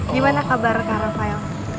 gimana kabar kak rafael